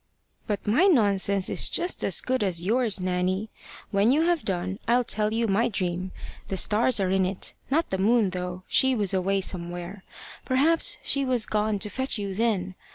"But my nonsense is just as good as yours, Nanny. When you have done, I'll tell you my dream. The stars are in it not the moon, though. She was away somewhere. Perhaps she was gone to fetch you then.